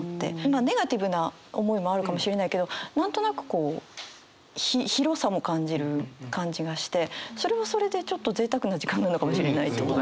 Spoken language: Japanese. ネガティブな思いもあるかもしれないけど何となくこう広さも感じる感じがしてそれはそれでちょっとぜいたくな時間なのかもしれない。